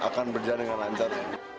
semoga berjalan dengan lancar